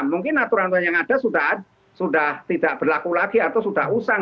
mungkin aturan aturan yang ada sudah tidak berlaku lagi atau sudah usang